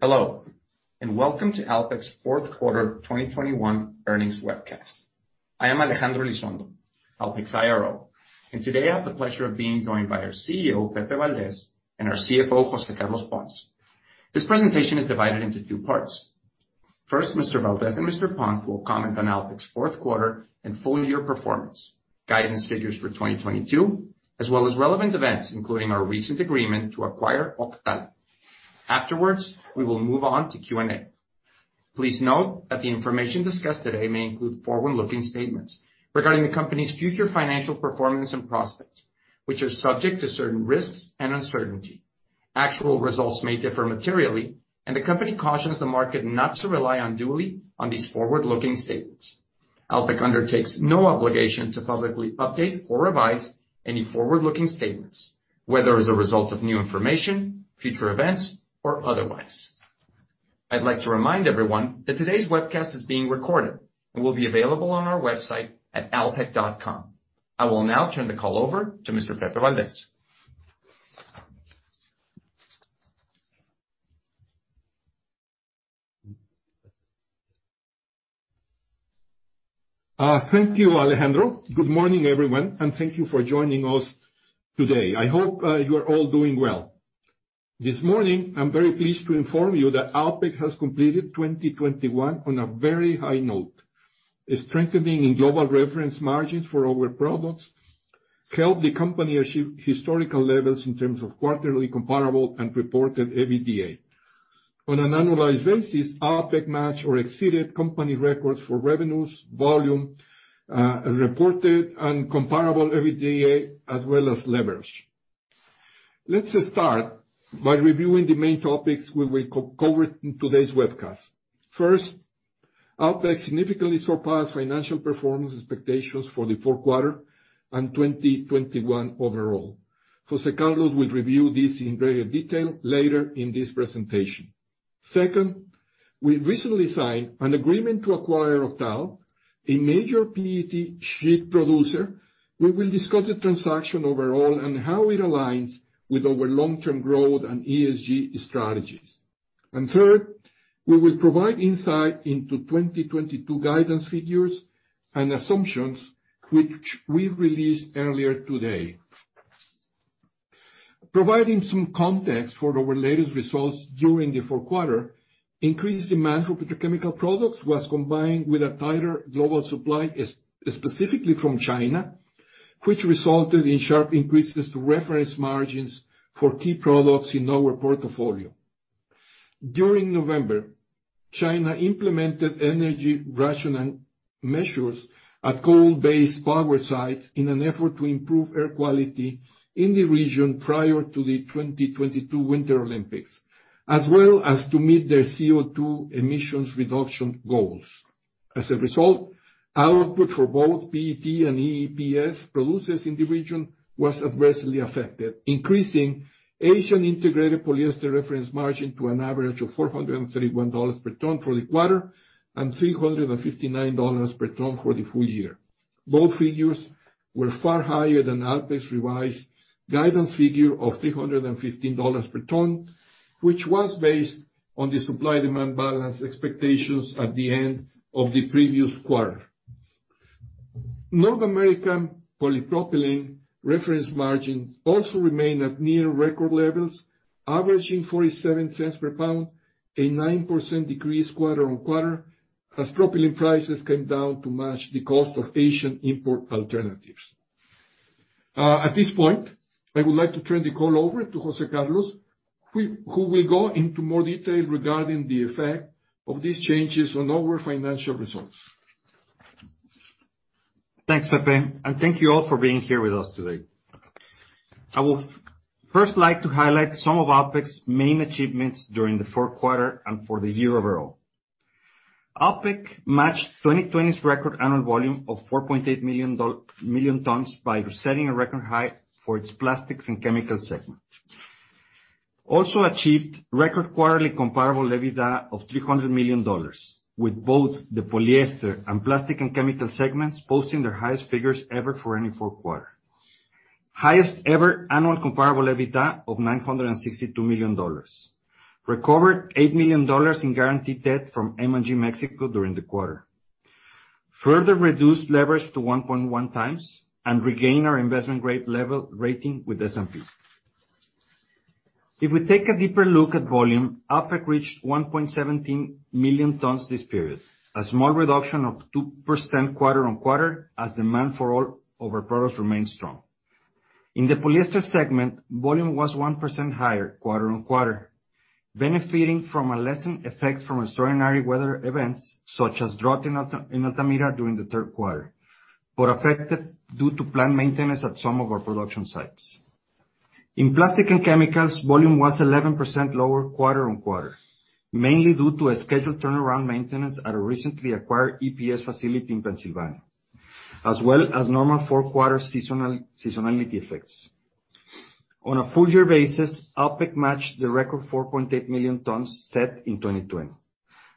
Hello, and welcome to Alpek's Fourth Quarter 2021 Earnings Webcast. I am Alejandro Elizondo, Alpek's IRO, and today, I have the pleasure of being joined by our CEO, Pepe Valdez, and our CFO, José Carlos Pons. This presentation is divided into two parts. First, Mr. Valdez and Mr. Pons will comment on Alpek's fourth quarter and full year performance, guidance figures for 2022, as well as relevant events, including our recent agreement to acquire Octal. Afterwards, we will move on to Q&A. Please note that the information discussed today may include forward-looking statements regarding the company's future financial performance and prospects, which are subject to certain risks and uncertainty. Actual results may differ materially, and the company cautions the market not to rely unduly on these forward-looking statements. Alpek undertakes no obligation to publicly update or revise any forward-looking statements, whether as a result of new information, future events, or otherwise. I'd like to remind everyone that today's webcast is being recorded and will be available on our website at alpek.com. I will now turn the call over to Mr. Pepe Valdez. Thank you, Alejandro. Good morning, everyone, and thank you for joining us today. I hope you are all doing well. This morning, I'm very pleased to inform you that Alpek has completed 2021 on a very high note. A strengthening in global reference margins for our products helped the company achieve historical levels in terms of quarterly comparable and reported EBITDA. On an annualized basis, Alpek matched or exceeded company records for revenues, volume, reported and comparable EBITDA, as well as leverage. Let's just start by reviewing the main topics we will cover in today's webcast. First, Alpek significantly surpassed financial performance expectations for the fourth quarter and 2021 overall. José Carlos will review this in greater detail later in this presentation. Second, we recently signed an agreement to acquire Octal, a major PET sheet producer. We will discuss the transaction overall and how it aligns with our long-term growth and ESG strategies. Third, we will provide insight into 2022 guidance figures and assumptions which we released earlier today. Providing some context for our latest results during the fourth quarter, increased demand for petrochemical products was combined with a tighter global supply, specifically from China, which resulted in sharp increases to reference margins for key products in our portfolio. During November, China implemented energy rationing measures at coal-based power sites in an effort to improve air quality in the region prior to the 2022 Winter Olympics, as well as to meet their CO2 emissions reduction goals. As a result, output for both PET and EPS producers in the region was aggressively affected, increasing Asian integrated polyester reference margin to an average of $431 per ton for the quarter and $359 per ton for the full year. Both figures were far higher than Alpek's revised guidance figure of $315 per ton, which was based on the supply-demand balance expectations at the end of the previous quarter. North American polypropylene reference margins also remain at near record levels, averaging $0.47/lb, a 9% decrease quarter-over-quarter, as propylene prices came down to match the cost of Asian import alternatives. At this point, I would like to turn the call over to José Carlos, who will go into more detail regarding the effect of these changes on our financial results. Thanks, Pepe, and thank you all for being here with us today. I would first like to highlight some of Alpek's main achievements during the fourth quarter and for the year overall. Alpek matched 2020's record annual volume of 4.8 million tons by setting a record high for its plastics and chemicals segment. Also achieved record quarterly comparable EBITDA of $300 million, with both the polyester and plastic and chemical segments posting their highest figures ever for any fourth quarter. Highest ever annual comparable EBITDA of $962 million. Recovered $8 million in guaranteed debt from M&G Mexico during the quarter. Further reduced leverage to 1.1x, and regained our investment grade level rating with S&P. If we take a deeper look at volume, Alpek reached 1.17 million tons this period. A small reduction of 2% quarter-over-quarter, as demand for all of our products remains strong. In the polyester segment, volume was 1% higher quarter-on-quarter, benefiting from a lessened effect from extraordinary weather events such as drought in Altamira during the third quarter, but affected due to plant maintenance at some of our production sites. In plastic and chemicals, volume was 11% lower quarter-on-quarter, mainly due to a scheduled turnaround maintenance at a recently acquired EPS facility in Pennsylvania, as well as normal fourth quarter seasonality effects. On a full year basis, Alpek matched the record 4.8 million tons set in 2020.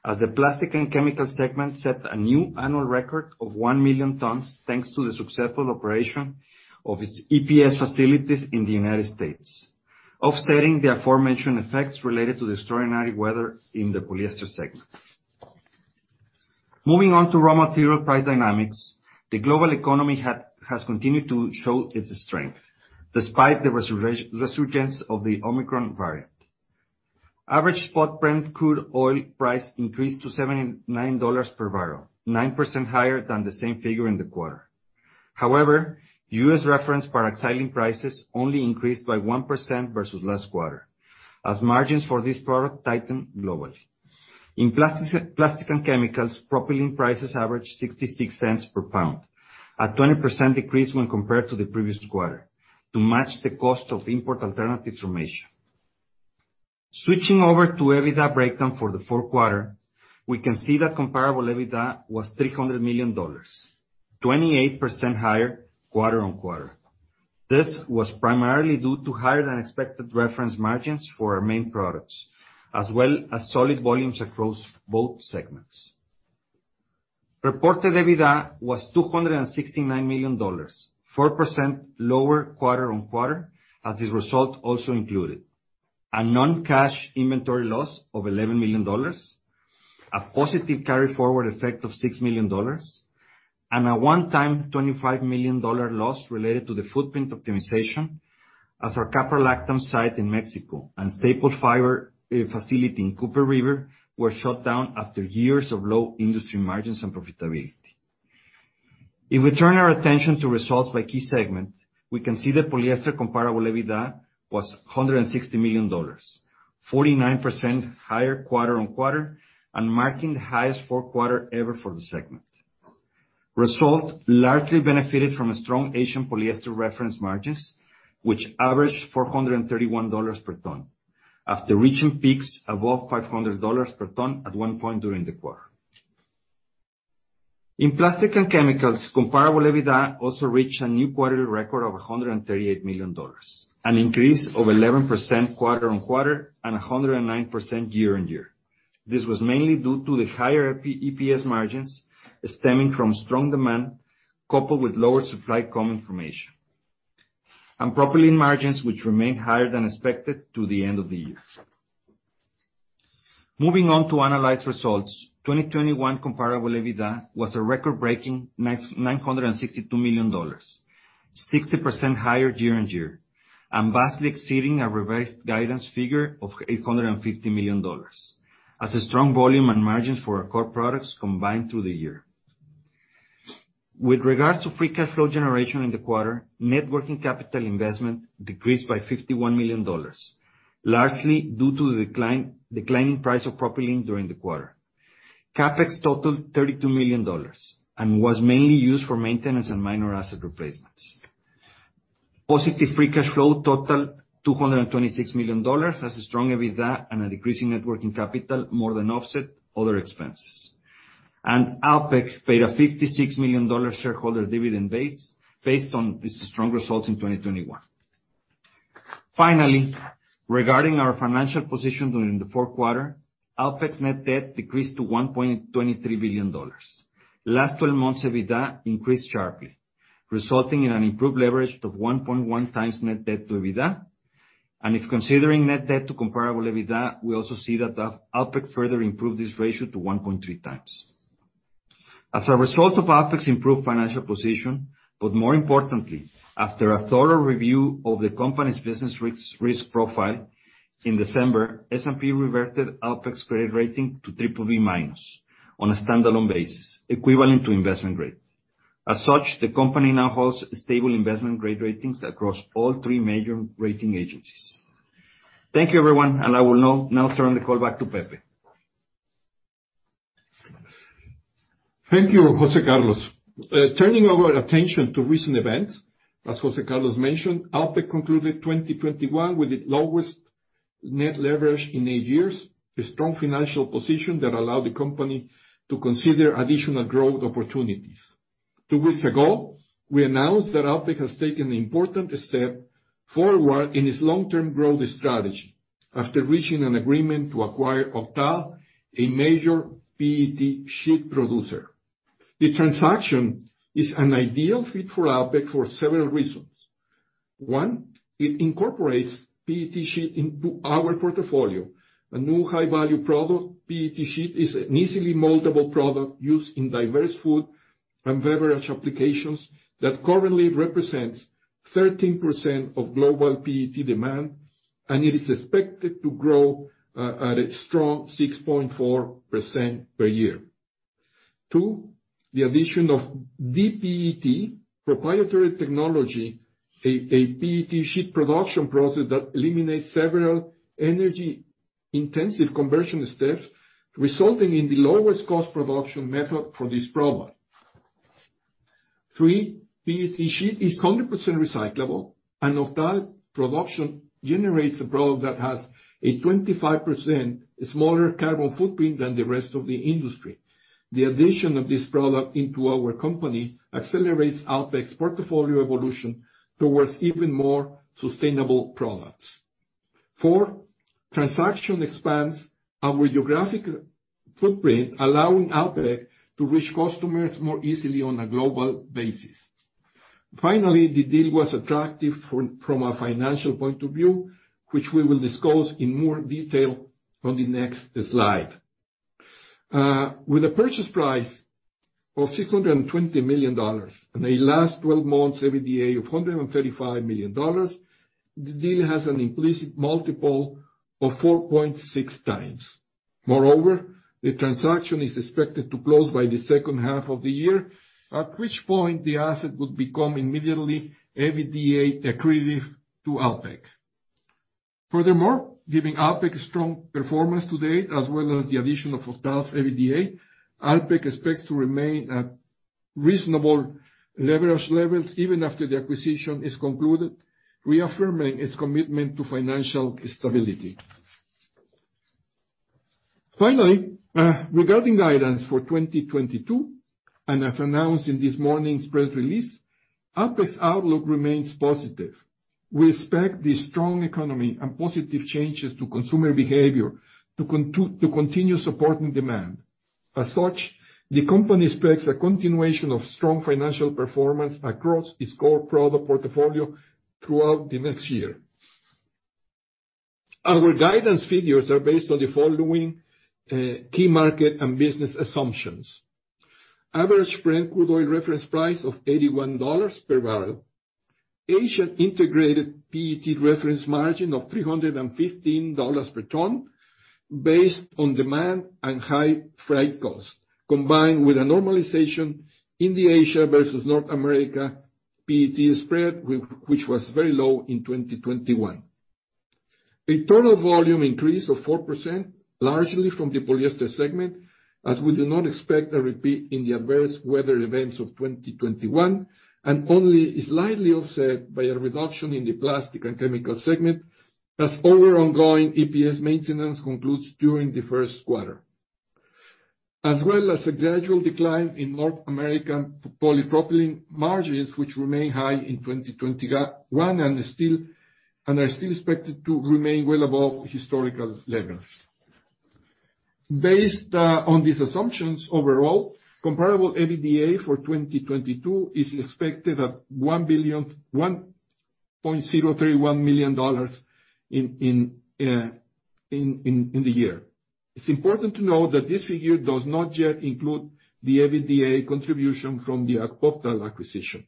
As the plastic and chemical segment set a new annual record of 1 million tons, thanks to the successful operation of its EPS facilities in the United States, offsetting the aforementioned effects related to the extraordinary weather in the polyester segment. Moving on to raw material price dynamics. The global economy has continued to show its strength despite the resurgence of the Omicron variant. Average spot Brent crude oil price increased to $79/bbl, 9% higher than the same figure in the quarter. However, U.S. reference product xylene prices only increased by 1% versus last quarter, as margins for this product tightened globally. In plastic and chemicals, propylene prices averaged $0.66/lb, a 20% decrease when compared to the previous quarter, to match the cost of import alternatives from Asia. Switching over to EBITDA breakdown for the fourth quarter, we can see that comparable EBITDA was $300 million, 28% higher quarter-on-quarter. This was primarily due to higher than expected reference margins for our main products, as well as solid volumes across both segments. Reported EBITDA was $269 million, 4% lower quarter-on-quarter, as this result also included a non-cash inventory loss of $11 million, a positive carry-forward effect of $6 million, and a one-time $25 million loss related to the footprint optimization as our caprolactam site in Mexico and staple fiber facility in Cooper River were shut down after years of low industry margins and profitability. If we turn our attention to results by key segment, we can see that polyester comparable EBITDA was $160 million, 49% higher quarter-on-quarter, and marking the highest fourth quarter ever for the segment. Result largely benefited from a strong Asian polyester reference margins, which averaged $431 per ton, after reaching peaks above $500 per ton at one point during the quarter. In plastics and chemicals, comparable EBITDA also reached a new quarterly record of $138 million, an increase of 11% quarter-on-quarter and 109% year-on-year. This was mainly due to the higher PET EPS margins stemming from strong demand, coupled with lower supply coming from Asia, and propylene margins which remain higher than expected to the end of the year. Moving on to analyze results. 2021 comparable EBITDA was a record-breaking $962 million, 60% higher year-on-year, and vastly exceeding our revised guidance figure of $850 million, as the strong volume and margins for our core products combined through the year. With regards to free cash flow generation in the quarter, net working capital investment decreased by $51 million, largely due to the declining price of propylene during the quarter. CapEx totaled $32 million and was mainly used for maintenance and minor asset replacements. Positive free cash flow totaled $226 million as a strong EBITDA and a decreasing net working capital more than offset other expenses. Alpek paid a $56 million shareholder dividend based on the strong results in 2021. Finally, regarding our financial position during the fourth quarter, Alpek's net debt decreased to $1.23 billion. Last 12 months EBITDA increased sharply, resulting in an improved leverage of 1.1x net debt to EBITDA. If considering net debt to comparable EBITDA, we also see that Alpek further improved this ratio to 1.3x. As a result of Alpek's improved financial position, but more importantly, after a thorough review of the company's business risk profile, in December, S&P reverted Alpek's credit rating to BBB- on a standalone basis, equivalent to investment grade. As such, the company now holds stable investment grade ratings across all three major rating agencies. Thank you, everyone, and I will now turn the call back to Pepe. Thank you, José Carlos. Turning our attention to recent events, as José Carlos mentioned, Alpek concluded 2021 with the lowest net leverage in eight years, a strong financial position that allowed the company to consider additional growth opportunities. Two weeks ago, we announced that Alpek has taken an important step forward in its long-term growth strategy after reaching an agreement to acquire Octal, a major PET sheet producer. The transaction is an ideal fit for Alpek for several reasons. One, it incorporates PET sheet into our portfolio. A new high-value product, PET sheet is an easily moldable product used in diverse food and beverage applications that currently represents 13% of global PET demand, and it is expected to grow at a strong 6.4% per year. Two, the addition of DPET proprietary technology, a PET sheet production process that eliminates several energy-intensive conversion steps, resulting in the lowest cost production method for this product. Three, PET sheet is 100% recyclable, and Octal production generates a product that has a 25% smaller carbon footprint than the rest of the industry. The addition of this product into our company accelerates Alpek's portfolio evolution towards even more sustainable products. Four, transaction expands our geographic footprint, allowing Alpek to reach customers more easily on a global basis. Finally, the deal was attractive from a financial point of view, which we will discuss in more detail on the next slide. With a purchase price of $620 million, and a last 12 months EBITDA of $135 million, the deal has an implicit multiple of 4.6x. Moreover, the transaction is expected to close by the second half of the year, at which point the asset would become immediately EBITDA accretive to Alpek. Furthermore, giving Alpek's strong performance to date, as well as the addition of Octal's EBITDA, Alpek expects to remain at reasonable leverage levels even after the acquisition is concluded, reaffirming its commitment to financial stability. Finally, regarding guidance for 2022, and as announced in this morning's press release, Alpek's outlook remains positive. We expect the strong economy and positive changes to consumer behavior to continue supporting demand. As such, the company expects a continuation of strong financial performance across its core product portfolio throughout the next year. Our guidance figures are based on the following, key market and business assumptions. Average Brent crude oil reference price of $81/bbl. Asian integrated PET reference margin of $315 per ton based on demand and high freight costs, combined with a normalization in the Asia versus North America PET spread which was very low in 2021. Total volume increase of 4%, largely from the polyester segment, as we do not expect a repeat in the adverse weather events of 2021, and only slightly offset by a reduction in the plastic and chemical segment as our ongoing EPS maintenance concludes during the first quarter. As well as a gradual decline in North American polypropylene margins, which remain high in 2021, and are still expected to remain well above historical levels. Based on these assumptions overall, comparable EBITDA for 2022 is expected at $1.031 billion in the year. It's important to note that this figure does not yet include the EBITDA contribution from the Octal acquisition.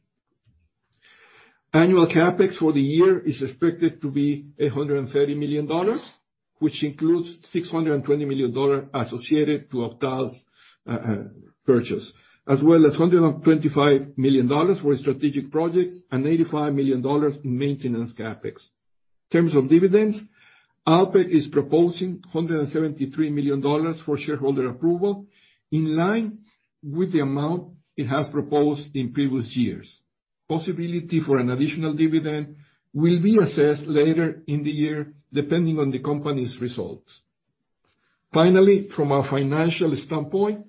Annual CapEx for the year is expected to be $130 million, which includes $620 million associated to Octal's purchase, as well as $125 million for strategic projects and $85 million in maintenance CapEx. In terms of dividends, Alpek is proposing $173 million for shareholder approval, in line with the amount it has proposed in previous years. Possibility for an additional dividend will be assessed later in the year, depending on the company's results. Finally, from a financial standpoint,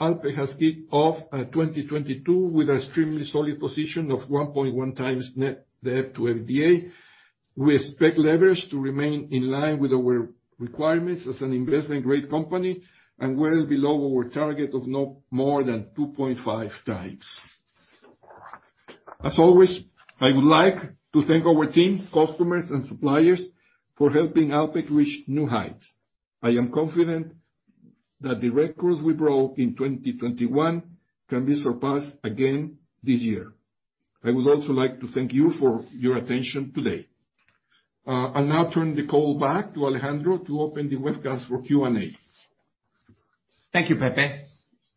Alpek has kicked off 2022 with extremely solid position of 1.1x net debt to EBITDA. We expect leverage to remain in line with our requirements as an investment-grade company, and well below our target of no more than 2.5x. As always, I would like to thank our team, customers, and suppliers for helping Alpek reach new heights. I am confident that the records we broke in 2021 can be surpassed again this year. I would also like to thank you for your attention today. I'll now turn the call back to Alejandro to open the webcast for Q&A. Thank you, Pepe.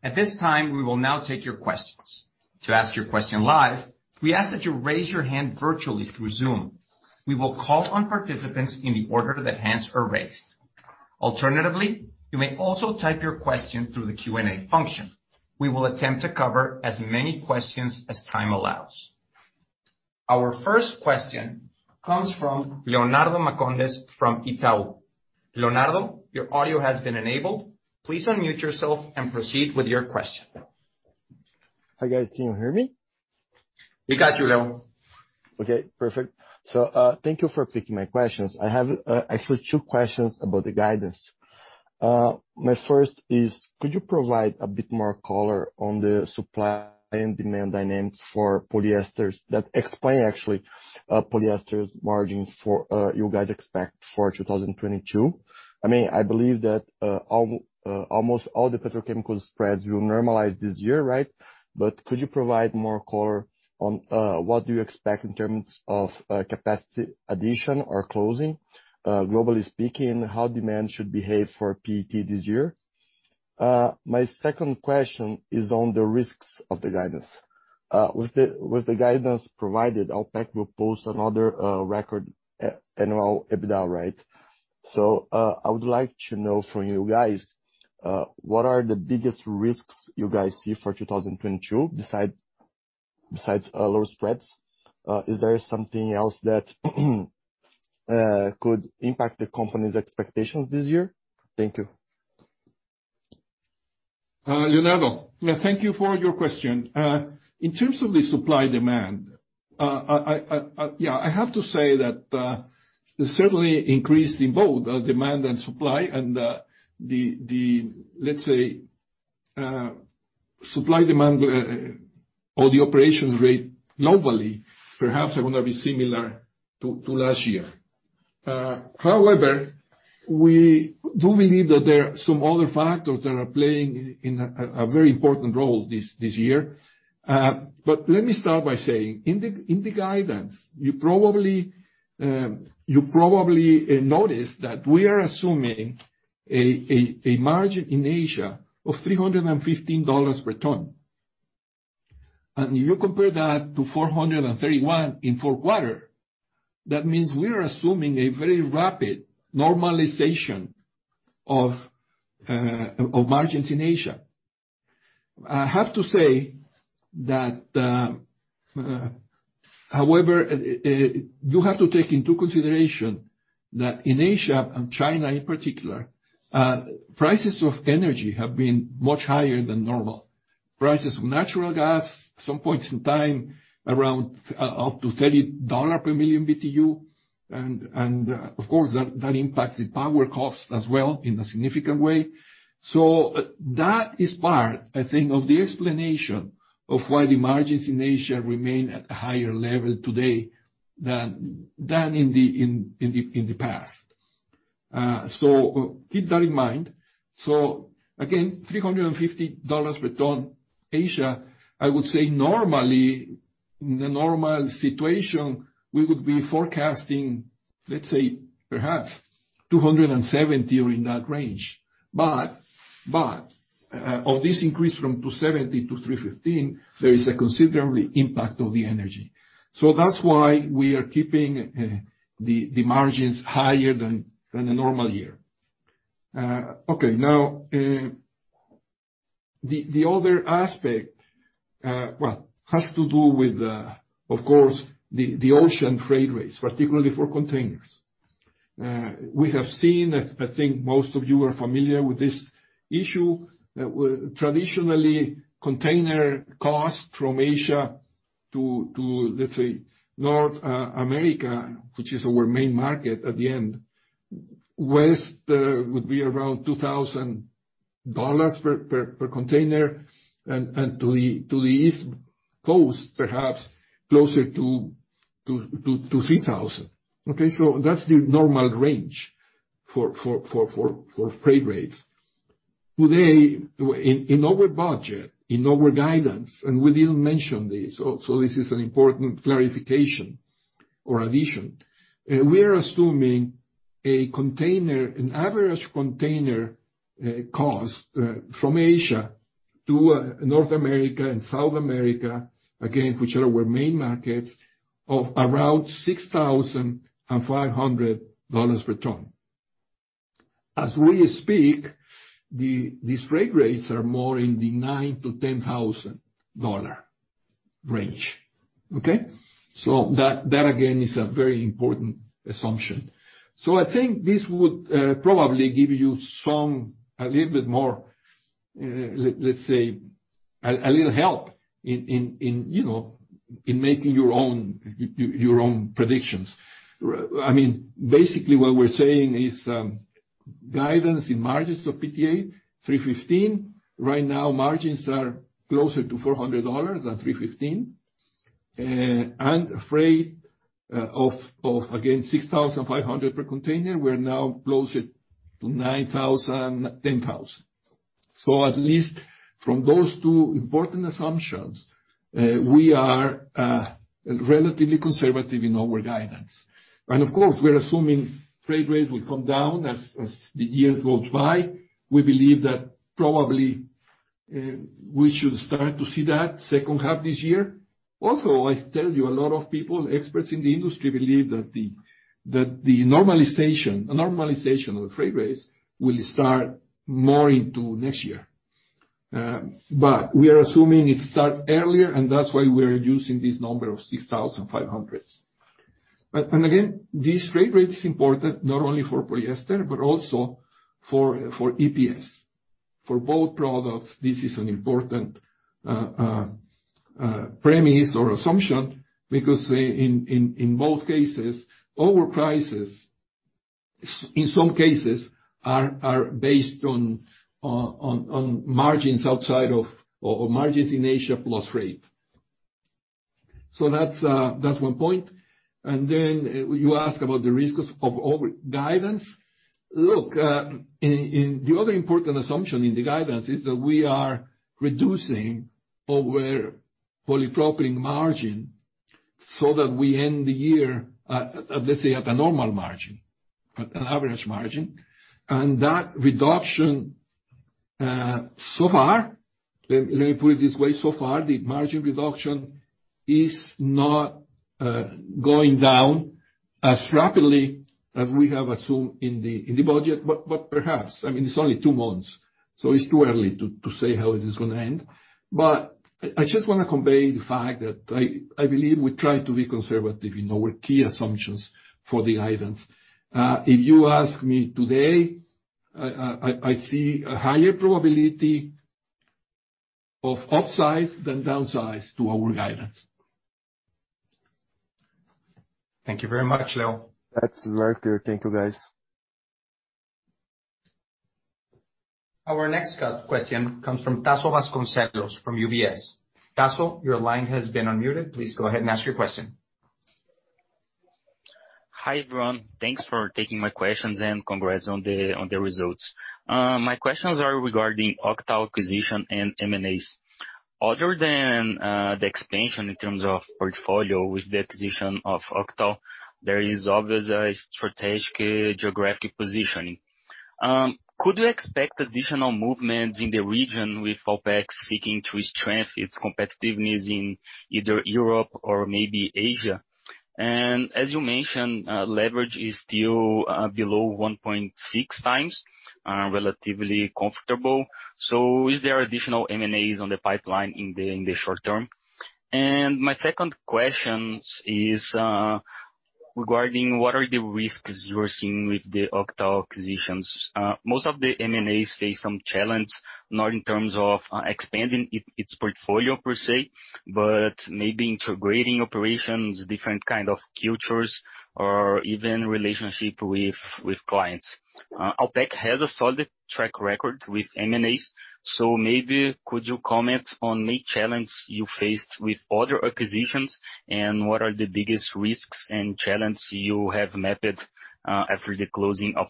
At this time, we will now take your questions. To ask your question live, we ask that you raise your hand virtually through Zoom. We will call on participants in the order that hands are raised. Alternatively, you may also type your question through the Q&A function. We will attempt to cover as many questions as time allows. Our first question comes from Leonardo Marcondes from Itaú. Leonardo, your audio has been enabled. Please unmute yourself and proceed with your question. Hi, guys. Can you hear me? We got you, Leo. Okay, perfect. Thank you for taking my questions. I have actually two questions about the guidance. My first is could you provide a bit more color on the supply and demand dynamics for polyesters that explain actually polyesters margins for you guys expect for 2022? I mean, I believe that almost all the petrochemical spreads will normalize this year, right? Could you provide more color on what do you expect in terms of capacity addition or closing? Globally speaking, how demand should behave for PET this year? My second question is on the risks of the guidance. With the guidance provided, Alpek will post another record annual EBITDA, right? I would like to know from you guys what are the biggest risks you guys see for 2022, besides lower spreads? Is there something else that could impact the company's expectations this year? Thank you. Leonardo. Yeah, thank you for your question. In terms of the supply-demand, I have to say that certainly increased in both the demand and supply and, the, let's say, supply-demand, or the operations rate globally, perhaps are gonna be similar to last year. However, we do believe that there are some other factors that are playing in a very important role this year. Let me start by saying, in the guidance, you probably noticed that we are assuming a margin in Asia of $315 per ton. You compare that to $431 in fourth quarter, that means we are assuming a very rapid normalization of margins in Asia. I have to say that, however, you have to take into consideration that in Asia, and China in particular, prices of energy have been much higher than normal. Prices of natural gas, some points in time around, up to $30 per million BTU, and, of course that impacts the power cost as well in a significant way. That is part, I think, of the explanation of why the margins in Asia remain at a higher level today than in the past. Keep that in mind. Again, $350 per ton Asia, I would say normally, in a normal situation, we would be forecasting, let's say perhaps $270 or in that range. But, of this increase from $270-$315, there is a considerable impact of the energy. That's why we are keeping the margins higher than a normal year. The other aspect, well, has to do with, of course, the ocean freight rates, particularly for containers. We have seen, I think most of you are familiar with this issue, that traditionally container cost from Asia to, let's say, North America, which is our main market, again, West, would be around $2,000 per container, and to the East Coast, perhaps closer to $3,000. Okay? That's the normal range for freight rates. Today, in our budget, in our guidance, and we didn't mention this, so this is an important clarification or addition. We are assuming a container, an average container cost from Asia to North America and South America, again, which are our main markets, of around $6,500 per ton. As we speak, these freight rates are more in the $9,000-$10,000 range. That again is a very important assumption. I think this would probably give you some a little bit more, let's say, a little help in you know in making your own your own predictions. I mean, basically what we're saying is guidance in margins of PTA $315. Right now, margins are closer to $400 than $315. Freight of again $6,500 per container, we're now closer to $9,000, $10,000. At least from those two important assumptions, we are relatively conservative in our guidance. Of course, we're assuming freight rates will come down as the years go by. We believe that probably we should start to see that second half this year. Also, I tell you, a lot of people, experts in the industry, believe that the normalization of the freight rates will start more into next year. We are assuming it starts earlier, and that's why we're using this number of $6,500. Again, this freight rate is important not only for polyester, but also for EPS. For both products, this is an important premise or assumption, because in both cases, our prices, in some cases are based on margins outside of or margins in Asia plus rate. That's one point. Then you ask about the risks of our guidance. Look, the other important assumption in the guidance is that we are reducing our polypropylene margin so that we end the year, let's say at a normal margin, an average margin. That reduction, so far, let me put it this way, so far, the margin reduction is not going down as rapidly as we have assumed in the budget. Perhaps, I mean, it's only two months, so it's too early to say how it is gonna end. I just wanna convey the fact that I believe we try to be conservative in our key assumptions for the guidance. If you ask me today, I see a higher probability of upsize than downsize to our guidance. Thank you very much, Leo. That's very clear. Thank you, guys. Our next question comes from Tasso Vasconcellos from UBS. Tasso, your line has been unmuted. Please go ahead and ask your question. Hi, everyone. Thanks for taking my questions, and congrats on the results. My questions are regarding Octal acquisition and M&As. Other than the expansion in terms of portfolio with the acquisition of Octal, there is obviously a strategic geographic positioning. Could you expect additional movements in the region with Alpek seeking to strengthen its competitiveness in either Europe or maybe Asia? As you mentioned, leverage is still below 1.6x, relatively comfortable. Is there additional M&As on the pipeline in the short term? My second question is regarding what are the risks you're seeing with the Octal acquisitions? Most of the M&As face some challenge, not in terms of expanding its portfolio per se, but maybe integrating operations, different kind of cultures or even relationship with clients. Alpek has a solid track record with M&As, so maybe could you comment on main challenge you faced with other acquisitions, and what are the biggest risks and challenges you have mapped after the closing of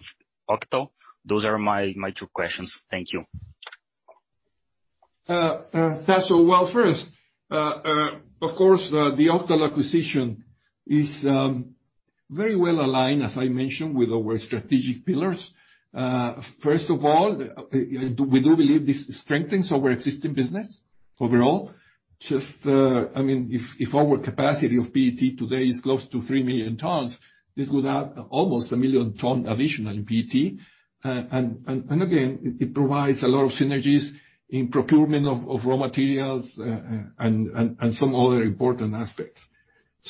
Octal? Those are my two questions. Thank you. Tasso, well, first, of course, the Octal acquisition is very well aligned, as I mentioned, with our strategic pillars. First of all, we do believe this strengthens our existing business overall. Just, I mean, if our capacity of PET today is close to 3 million tons, this would add almost a million tons additional in PET. And again, it provides a lot of synergies in procurement of raw materials, and some other important aspects.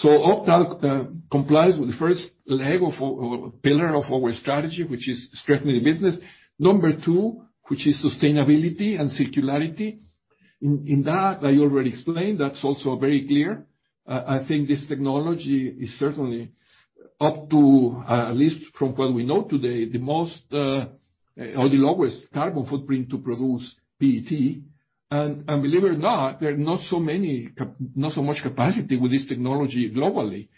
Octal complies with the first leg of pillar of our strategy, which is strengthening the business. Number two, which is sustainability and circularity. In that, I already explained, that's also very clear. I think this technology is certainly up to at least from what we know today the most or the lowest carbon footprint to produce PET. Believe it or not, there are not so much capacity with this technology globally.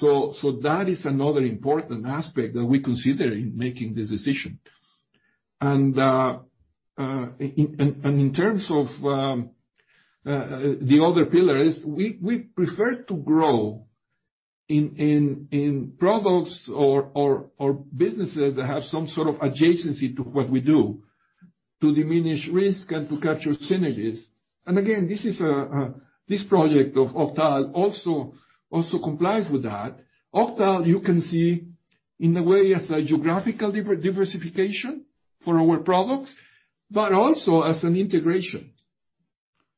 That is another important aspect that we consider in making this decision. In terms of the other pillar is we prefer to grow in products or businesses that have some sort of adjacency to what we do to diminish risk and to capture synergies. Again, this project of Octal also complies with that. Octal, you can see in a way as a geographical diversification for our products, but also as an integration.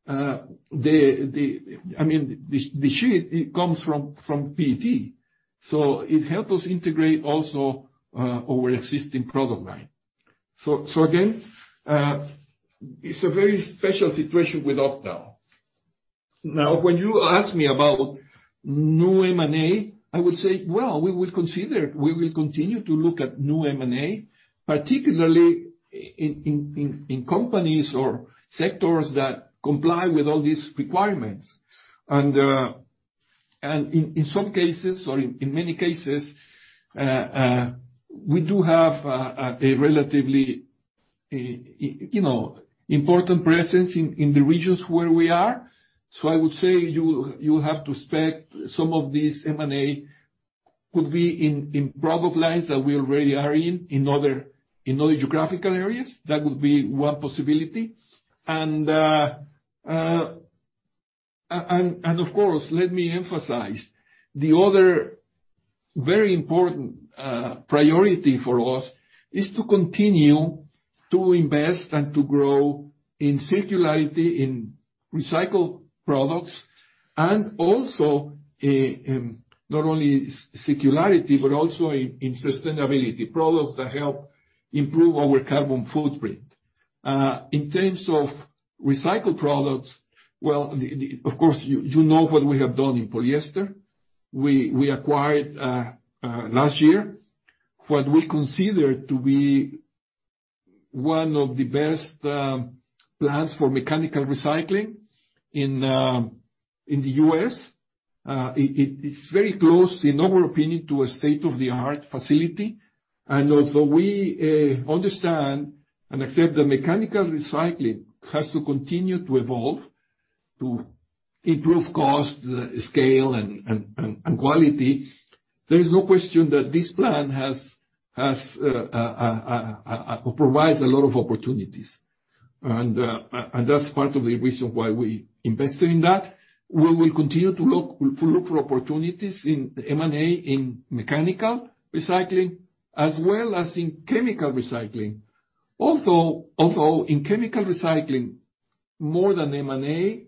I mean, the sheet, it comes from PET, so it help us integrate also our existing product line. Again, it's a very special situation with Octal. Now, when you ask me about new M&A, I would say, well, we would consider it. We will continue to look at new M&A, particularly in companies or sectors that comply with all these requirements. In some cases or in many cases, we do have a relatively, you know, important presence in the regions where we are. I would say you will have to expect some of these M&A could be in product lines that we already are in other geographical areas. That would be one possibility. Of course, let me emphasize, the other very important priority for us is to continue to invest and to grow in circularity, in recycled products, and also, not only circularity but also in sustainability, products that help improve our carbon footprint. In terms of recycled products, of course, you know what we have done in polyester. We acquired last year, what we consider to be one of the best plants for mechanical recycling in the U.S. It's very close, in our opinion, to a state-of-the-art facility. Although we understand and accept that mechanical recycling has to continue to evolve to improve cost, scale and quality, there is no question that this plant provides a lot of opportunities. That's part of the reason why we invested in that. We will continue to look for opportunities in M&A, in mechanical recycling, as well as in chemical recycling. Although in chemical recycling, more than M&As,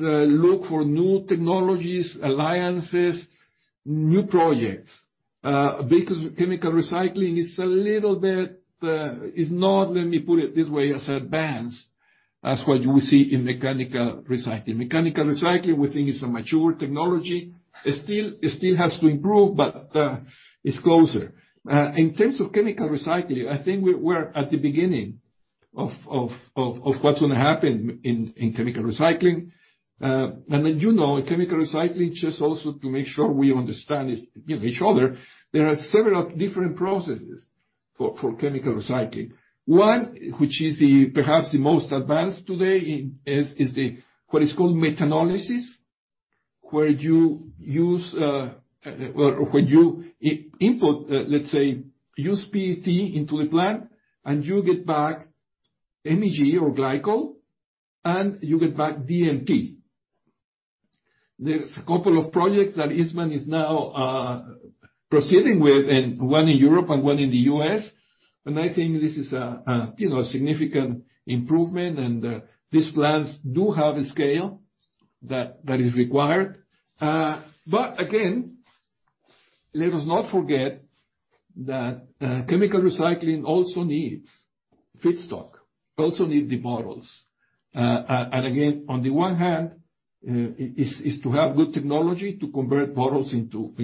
look for new technologies, alliances, new projects, because chemical recycling is a little bit not, let me put it this way, as advanced as what you see in mechanical recycling. Mechanical recycling, we think is a mature technology. It still has to improve, but it's closer. In terms of chemical recycling, I think we're at the beginning of what's gonna happen in chemical recycling. You know, in chemical recycling, just also to make sure we understand it, you know, each other, there are several different processes for chemical recycling. One, which is perhaps the most advanced today, is what is called methanolysis, where you input, let's say, used PET into the plant, and you get back MEG or glycol, and you get back DMT. There's a couple of projects that Eastman is now proceeding with, and one in Europe and one in the U.S., and I think this is, you know, a significant improvement. These plants do have a scale that is required. But again, let us not forget that chemical recycling also needs feedstock, also needs the bottles. Again, on the one hand, is to have good technology to convert bottles into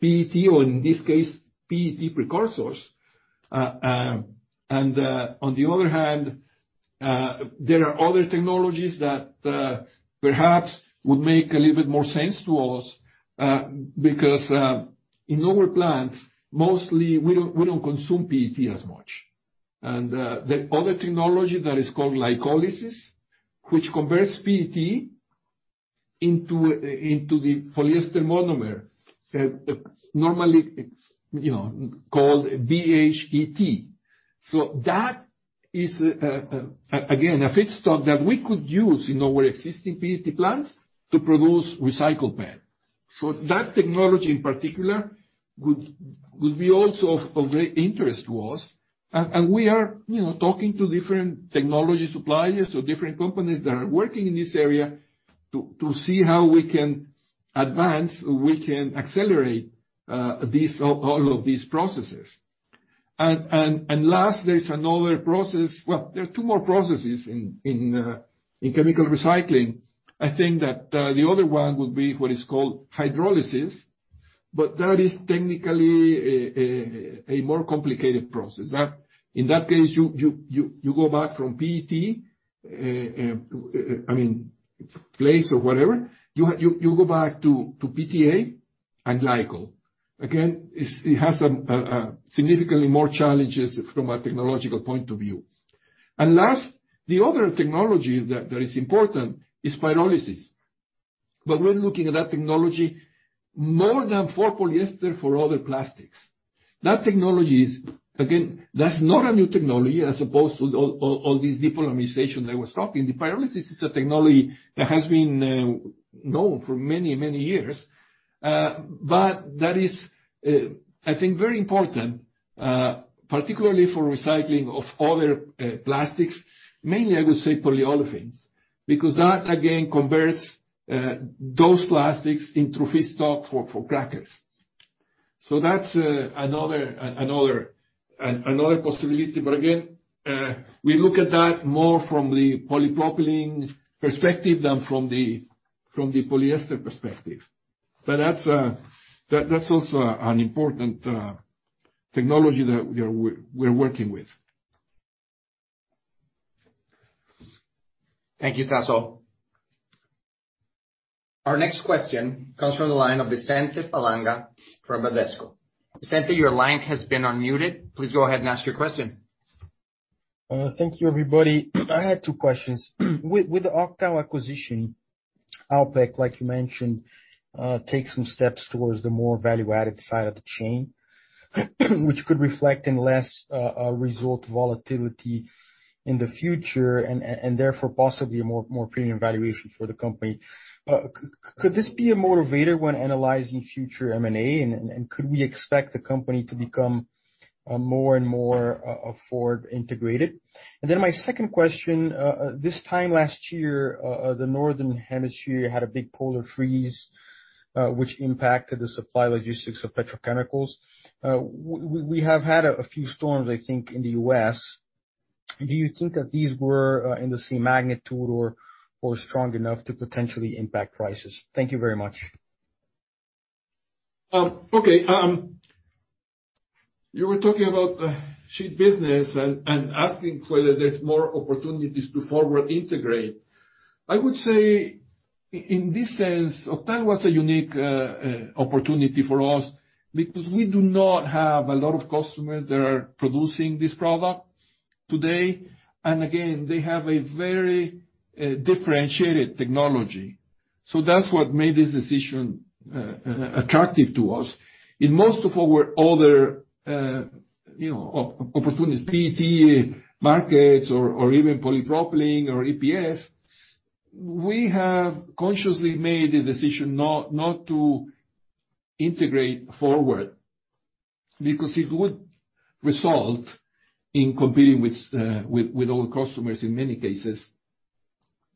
PET, or in this case, PET precursors. On the other hand, there are other technologies that perhaps would make a little bit more sense to us because in our plants, mostly we don't consume PET as much. The other technology that is called glycolysis, which converts PET into the polyester monomer, so normally it's, you know, called DHET. That is again a feedstock that we could use in our existing PET plants to produce recycled PET. That technology in particular would be also of great interest to us. We are, you know, talking to different technology suppliers or different companies that are working in this area to see how we can advance, accelerate these processes. Last, there's another process. Well, there are two more processes in chemical recycling. I think that the other one would be what is called hydrolysis, but that is technically a more complicated process. In that case, you go back from PET. I mean, you go back to PTA and glycol. Again, it has some significantly more challenges from a technological point of view. Last, the other technology that is important is pyrolysis. But we're looking at that technology more than for polyester, for other plastics. That technology is again that's not a new technology as opposed to all these depolymerization I was talking. The pyrolysis is a technology that has been known for many years. That is, I think, very important, particularly for recycling of other plastics. Mainly I would say polyolefins, because that again converts those plastics into feedstock for crackers. That's another possibility. Again, we look at that more from the polypropylene perspective than from the polyester perspective. That's also an important technology that we're working with. Thank you, Tasso. Our next question comes from the line of Vicente Falanga from Bradesco. Vicente, your line has been unmuted. Please go ahead and ask your question. Thank you, everybody. I had two questions. With the Octal acquisition, Alpek, like you mentioned, take some steps towards the more value-added side of the chain, which could reflect in less result volatility in the future, and therefore possibly more premium valuation for the company. Could this be a motivator when analyzing future M&A, and could we expect the company to become more and more forward integrated? My second question. This time last year, the northern hemisphere had a big polar freeze, which impacted the supply logistics of petrochemicals. We have had a few storms, I think, in the U.S. Do you think that these were in the same magnitude or strong enough to potentially impact prices? Thank you very much. You were talking about the sheet business and asking whether there's more opportunities to forward integrate. I would say in this sense, Octal was a unique opportunity for us because we do not have a lot of customers that are producing this product today. They have a very differentiated technology. That's what made this decision attractive to us. In most of our other, you know, opportunities, PET markets or even polypropylene or EPS, we have consciously made the decision not to integrate forward. Because it would result in competing with our customers in many cases.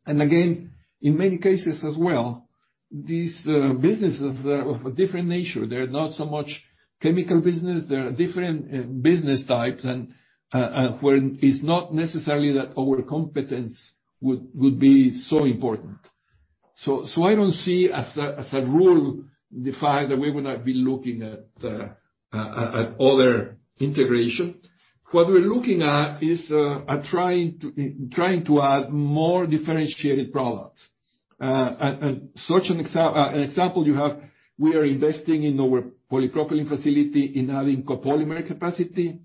In many cases as well, these businesses are of a different nature. They're not so much chemical business, they are different business types and where it's not necessarily that our competence would be so important. I don't see as a rule defined that we would not be looking at other integration. What we're looking at is trying to add more differentiated products. An example you have, we are investing in our polypropylene facility in adding copolymer capacity.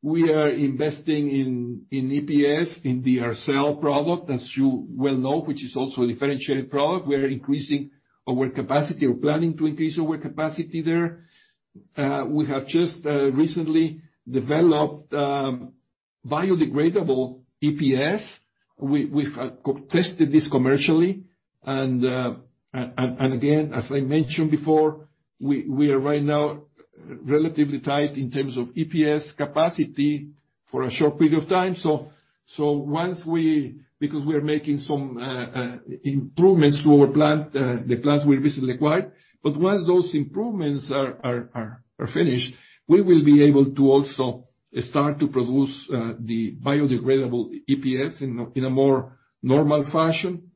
We are investing in EPS, in the ARCEL product, as you well know, which is also a differentiated product. We are increasing our capacity or planning to increase our capacity there. We have just recently developed biodegradable EPS. We've tested this commercially, and again, as I mentioned before, we are right now relatively tight in terms of EPS capacity for a short period of time. Because we are making some improvements to the plants we recently acquired, once those improvements are finished, we will be able to also start to produce the biodegradable EPS in a more normal fashion.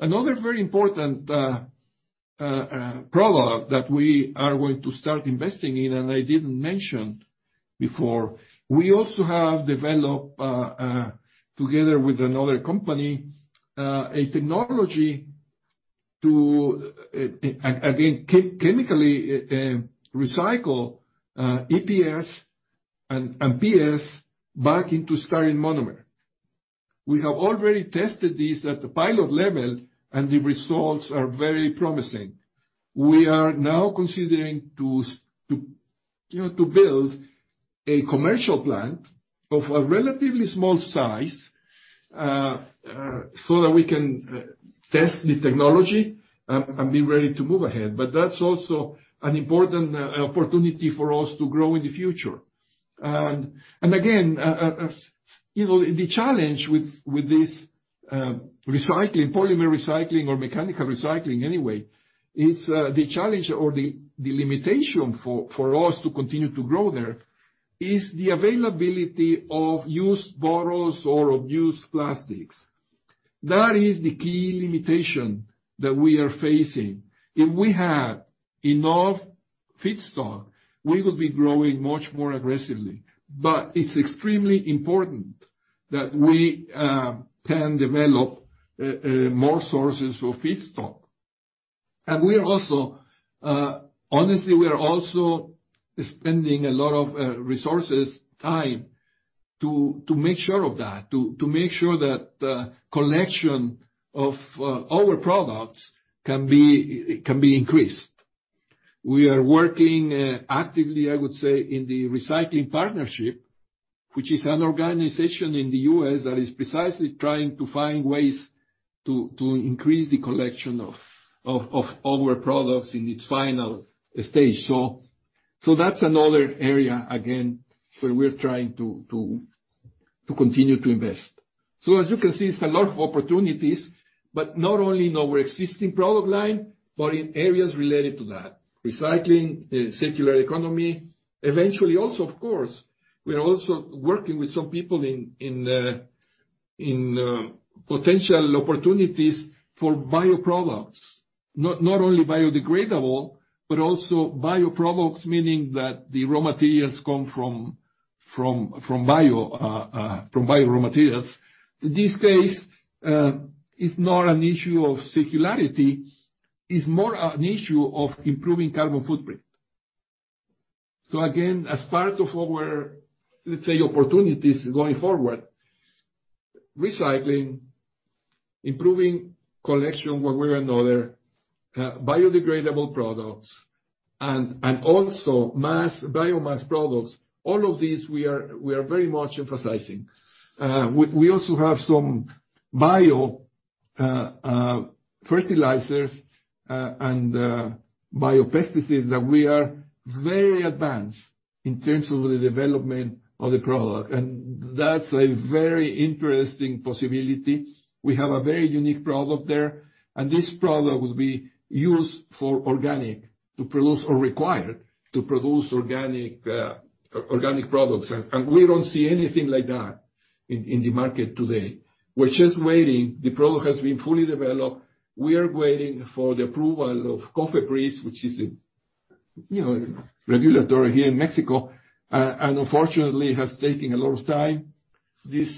Another very important product that we are going to start investing in, and I didn't mention before, we also have developed together with another company a technology to again chemically recycle EPS and PS back into styrene monomer. We have already tested this at the pilot level, and the results are very promising. We are now considering to build a commercial plant of a relatively small size, so that we can test the technology and be ready to move ahead. That's also an important opportunity for us to grow in the future. Again, you know, the challenge with this recycling, polymer recycling or mechanical recycling anyway, is the challenge or the limitation for us to continue to grow there is the availability of used bottles or of used plastics. That is the key limitation that we are facing. If we had enough feedstock, we would be growing much more aggressively. It's extremely important that we can develop more sources for feedstock. We are also, honestly, we are also spending a lot of resources, time to make sure of that. To make sure that the collection of our products can be increased. We are working actively, I would say, in The Recycling Partnership, which is an organization in the U.S. that is precisely trying to find ways to increase the collection of our products in its final stage. That's another area again, where we're trying to continue to invest. As you can see, it's a lot of opportunities, but not only in our existing product line, but in areas related to that. Recycling, circular economy. Eventually also, of course, we are also working with some people in potential opportunities for bioproducts. Not only biodegradable, but also bioproducts, meaning that the raw materials come from bio raw materials. This case is not an issue of circularity. It is more an issue of improving carbon footprint. Again, as part of our, let's say, opportunities going forward, recycling, improving collection one way or another, biodegradable products and also biomass products, all of these we are very much emphasizing. We also have some biofertilizers and biopesticides that we are very advanced in terms of the development of the product, and that's a very interesting possibility. We have a very unique product there, and this product will be used for organic production or required to produce organic products. We don't see anything like that in the market today. We're just waiting. The product has been fully developed. We are waiting for the approval of COFEPRIS, which is a, you know, regulatory here in Mexico, and unfortunately has taken a lot of time. This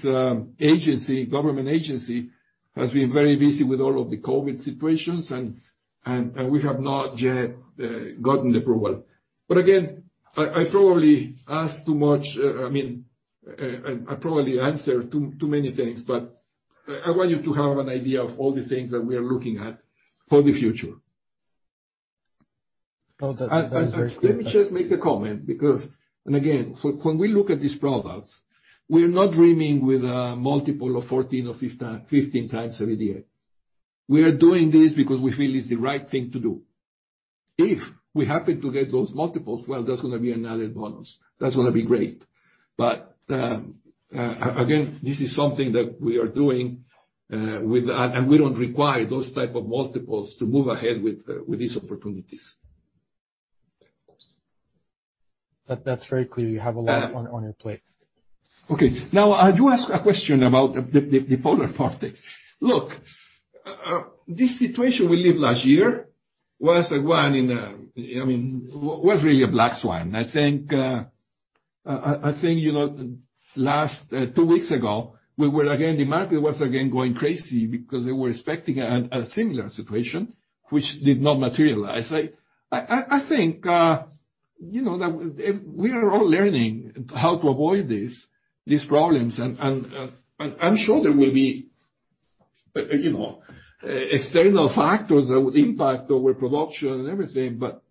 agency, government agency has been very busy with all of the COVID situations and we have not yet gotten approval. But again, I probably asked too much. I mean, I probably answered too many things, but I want you to have an idea of all the things that we are looking at for the future. No, that is very clear. Let me just make a comment because and again, when we look at these products, we're not dreaming with a multiple of 14x or 15x EBITDA. We are doing this because we feel it's the right thing to do. If we happen to get those multiples, well, that's gonna be an added bonus. That's gonna be great. Again, this is something that we are doing. We don't require those type of multiples to move ahead with these opportunities. That's very clear. You have a lot on your plate. Okay. Now, you asked a question about the polar vortex. Look, this situation we lived last year was the one, I mean, was really a black swan. I think, you know, last two weeks ago, the market was again going crazy because they were expecting a similar situation which did not materialize. I think, you know, that we are all learning how to avoid these problems. I'm sure there will be, you know, external factors that would impact our production and everything. But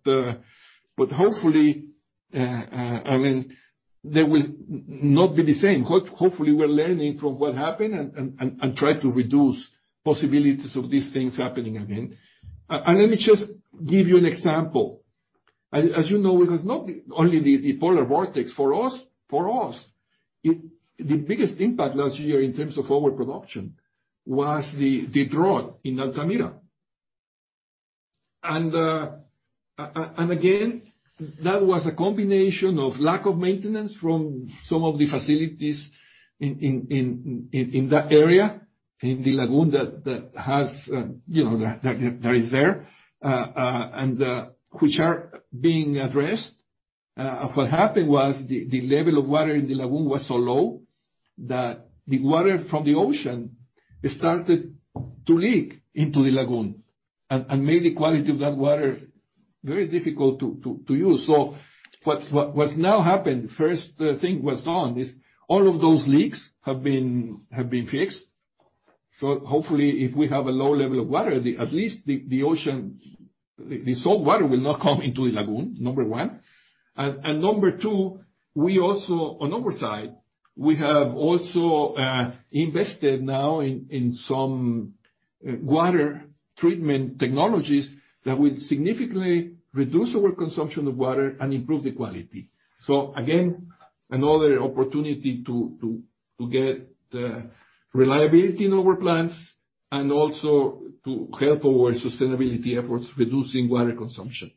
hopefully, I mean, they will not be the same. Hopefully we're learning from what happened and try to reduce possibilities of these things happening again. Let me just give you an example. As you know, it was not only the polar vortex. For us, the biggest impact last year in terms of our production was the drought in Altamira. Again, that was a combination of lack of maintenance from some of the facilities in that area, in the lagoon that has, you know, that is there, and which are being addressed. What happened was the level of water in the lagoon was so low that the water from the ocean started to leak into the lagoon and made the quality of that water very difficult to use. What's now happened, the first thing done is all of those leaks have been fixed. Hopefully, if we have a low level of water, at least the ocean, the salt water will not come into the lagoon, number one. Number two, we also, on our side, we have invested now in some water treatment technologies that will significantly reduce our consumption of water and improve the quality. Again, another opportunity to get reliability in our plants and also to help our sustainability efforts, reducing water consumption.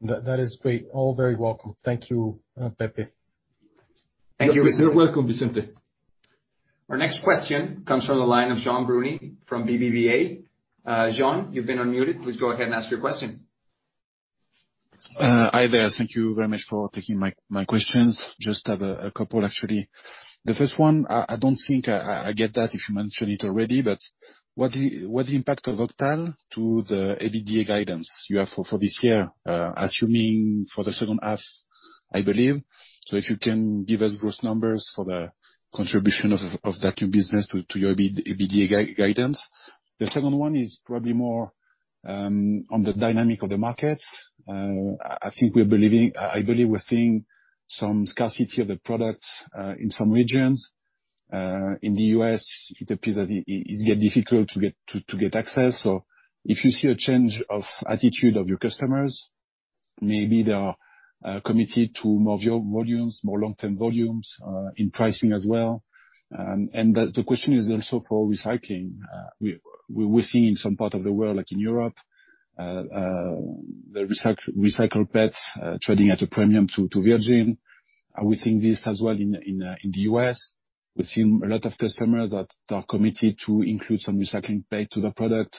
That is great. All very welcome. Thank you, Pepe. You're welcome, Vicente. Our next question comes from the line of Jean Bruny from BBVA. Jean, you've been unmuted. Please go ahead and ask your question. Hi there. Thank you very much for taking my questions. I just have a couple, actually. The first one, I don't think I get that if you mentioned it already, but what impact of Octal to the EBITDA guidance you have for this year, assuming for the second half, I believe. If you can give us those numbers for the contribution of that new business to your EBITDA guidance. The second one is probably more on the dynamic of the markets. I believe we're seeing some scarcity of the products in some regions. In the U.S., it appears that it is getting difficult to get access. If you see a change of attitude of your customers, maybe they are committed to more of your volumes, more long-term volumes, in pricing as well. The question is also for recycling. We're seeing in some part of the world, like in Europe, the recycled PET trading at a premium to virgin. Are we seeing this as well in the U.S.? We've seen a lot of customers that are committed to include some recycling PET to the product.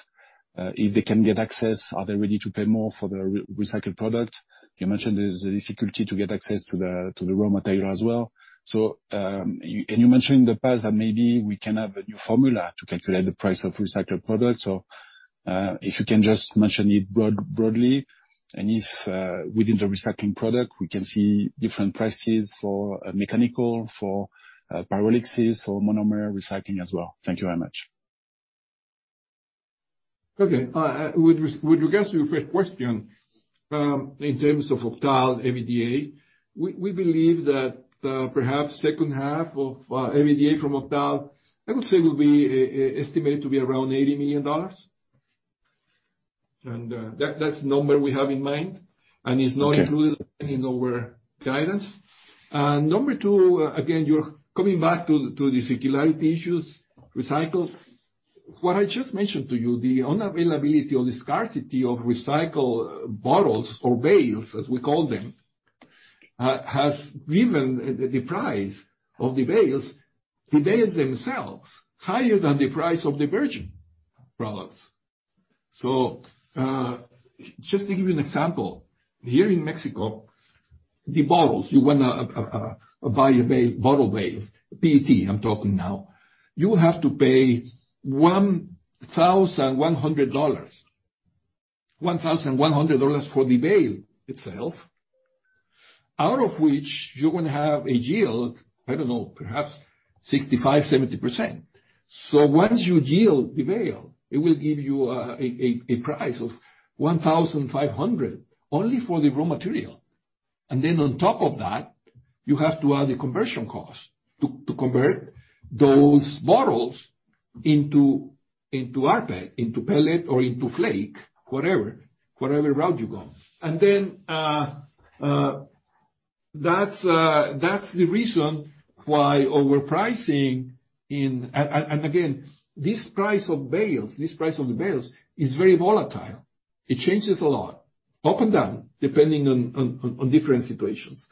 If they can get access, are they ready to pay more for the recycled product? You mentioned there's a difficulty to get access to the raw material as well. You mentioned in the past that maybe we can have a new formula to calculate the price of recycled products. If you can just mention it broadly, and if within the recycling product, we can see different prices for mechanical, for pyrolysis or monomer recycling as well. Thank you very much. Okay. With regards to your first question, in terms of Octal EBITDA, we believe that perhaps second half of EBITDA from Octal, I would say will be estimated to be around $80 million. That that's the number we have in mind, and it's not included in our guidance. Number two, again, you're coming back to the circularity issues, recycle. What I just mentioned to you, the unavailability or the scarcity of recycled bottles or bales, as we call them, has driven the price of the bales themselves higher than the price of the virgin products. Just to give you an example, here in Mexico, the bottles, you want to buy a bale, bottle bale, PET I'm talking now, you have to pay $1,100. $1,100 for the bale itself, out of which you're gonna have a yield, I don't know, perhaps 65%-70%. Once you yield the bale, it will give you a price of $1,500 only for the raw material. On top of that, you have to add the conversion cost to convert those bottles into rPET, pellet or flake, whatever route you go. That's the reason why our pricing in—again, this price of the bales is very volatile. It changes a lot, up and down, depending on different situations.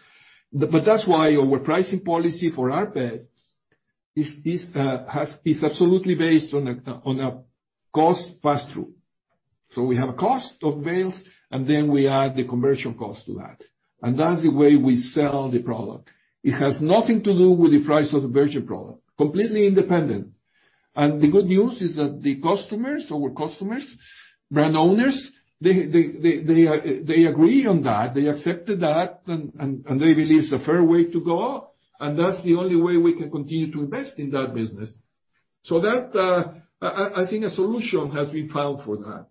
That's why our pricing policy for rPET is absolutely based on a cost pass-through. We have a cost of bales, and then we add the conversion cost to that. That's the way we sell the product. It has nothing to do with the price of the virgin product. Completely independent. The good news is that the customers, our customers, brand owners, they agree on that. They accepted that, and they believe it's a fair way to go, and that's the only way we can continue to invest in that business. That, I think, a solution has been found for that.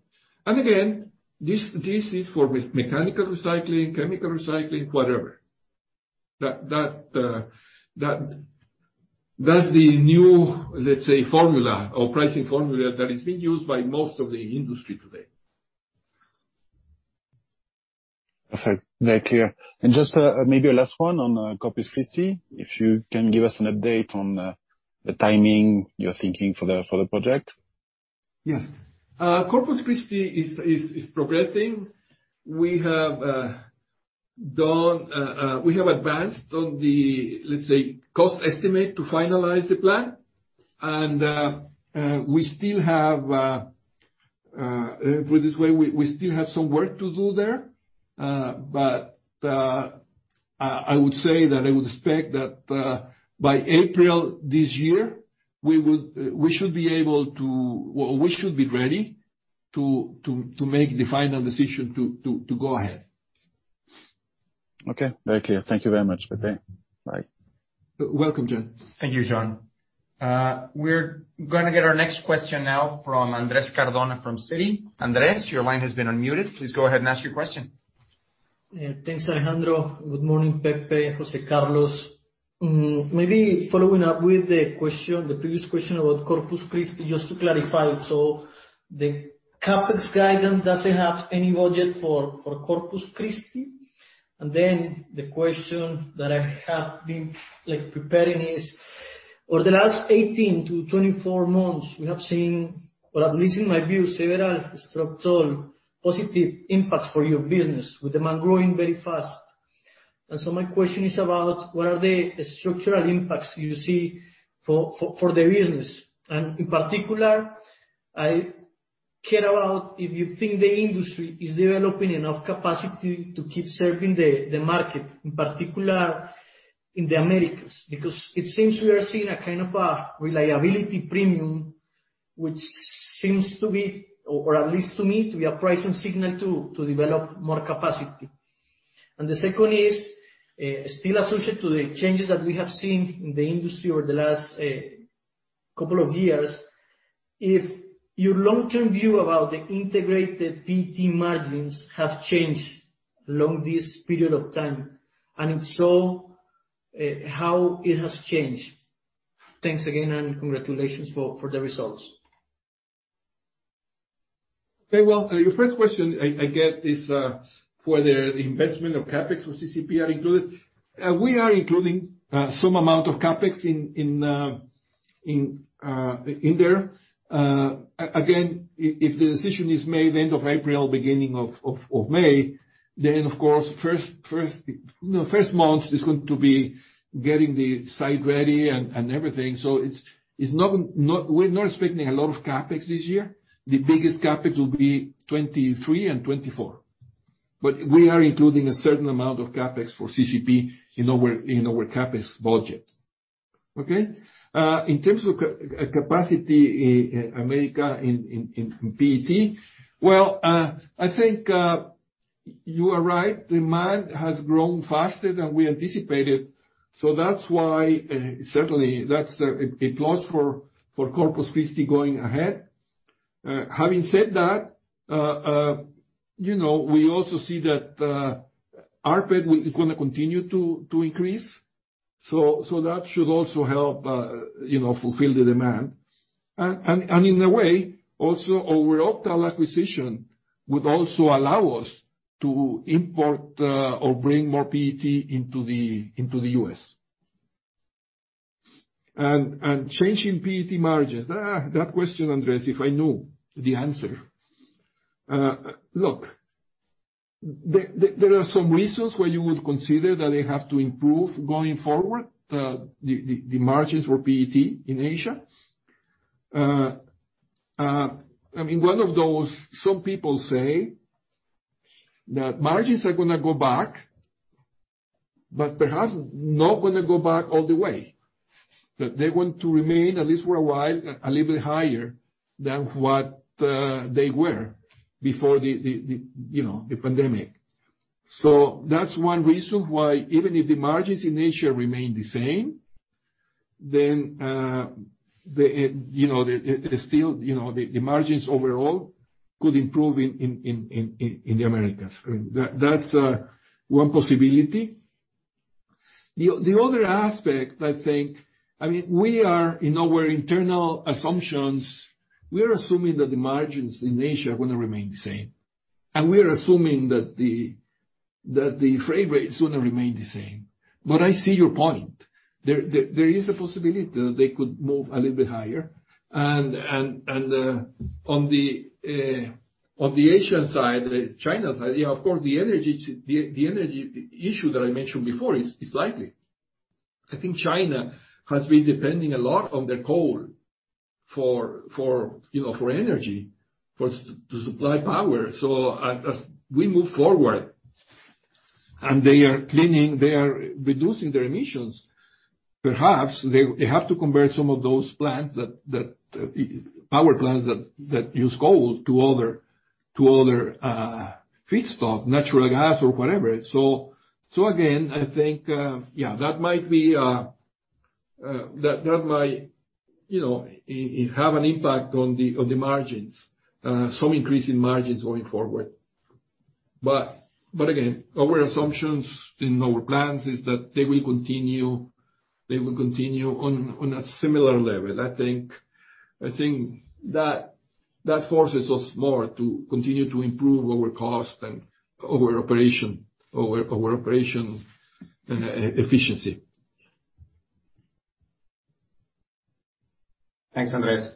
Again, this is for me, mechanical recycling, chemical recycling, whatever. That's the new, let's say, formula or pricing formula that is being used by most of the industry today. Perfect. Very clear. Just, maybe a last one on Corpus Christi. If you can give us an update on the timing you're thinking for the project? Yes. Corpus Christi is progressing. We have advanced on the, let's say, cost estimate to finalize the plan. We still have, put it this way, some work to do there. I would say that I would expect that by April this year, we should be able to. We should be ready to make the final decision to go ahead. Okay. Very clear. Thank you very much, Pepe. Bye. You're welcome, Jean. Thank you, Jean. We're gonna get our next question now from Andres Cardona from Citi. Andres, your line has been unmuted. Please go ahead and ask your question. Yeah. Thanks, Alejandro. Good morning, Pepe, José Carlos. Maybe following up with the question, the previous question about Corpus Christi, just to clarify. So the CapEx guidance doesn't have any budget for Corpus Christi? Then the question that I have been, like, preparing is, over the last 18-24 months, we have seen, or at least in my view, several structural positive impacts for your business, with demand growing very fast. My question is about what are the structural impacts you see for the business? In particular, I care about if you think the industry is developing enough capacity to keep serving the market, in particular in the Americas. Because it seems we are seeing a kind of a reliability premium, which seems to be, or at least to me, to be a pricing signal to develop more capacity. The second is still associated to the changes that we have seen in the industry over the last couple of years. If your long-term view about the integrated PET margins have changed along this period of time, and if so, how it has changed? Thanks again, and congratulations for the results. Okay. Well, your first question I get is whether the investment or CapEx for CCP are included. We are including some amount of CapEx in there. Again, if the decision is made end of April, beginning of May, then of course, you know, first month is going to be getting the site ready and everything. So it's not. We're not expecting a lot of CapEx this year. The biggest CapEx will be 2023 and 2024. But we are including a certain amount of CapEx for CCP in our CapEx budget. Okay? In terms of capacity in America in PET, well, I think you are right. Demand has grown faster than we anticipated, so that's why that's a plus for Corpus Christi going ahead. Having said that, you know, we also see that rPET is gonna continue to increase. That should also help, you know, fulfill the demand. In a way, also our Octal acquisition would also allow us to import or bring more PET into the U.S. Change in PET margins. That question, Andres, if I knew the answer. Look, there are some reasons why you would consider that they have to improve going forward, the margins for PET in Asia. I mean, one of those, some people say that margins are gonna go back, but perhaps not gonna go back all the way. That they want to remain, at least for a while, a little bit higher than what they were before, you know, the pandemic. That's one reason why even if the margins in Asia remain the same, that it is still, you know, the margins overall could improve in the Americas. I mean, that's one possibility. The other aspect I think I mean, we are in our internal assumptions, we are assuming that the margins in Asia will remain the same. We are assuming that the freight rates will remain the same. I see your point. There is a possibility that they could move a little bit higher. On the Asian side, the China side, yeah, of course, the energy issue that I mentioned before is likely. I think China has been depending a lot on their coal for you know, for energy to supply power. As we move forward, and they are reducing their emissions, perhaps they have to convert some of those power plants that use coal to other feedstock, natural gas or whatever. Again, I think yeah, that might you know have an impact on the margins, some increase in margins going forward. Again, our assumptions in our plans is that they will continue on a similar level. I think that forces us more to continue to improve our cost and our operation efficiency. Thanks, Andres.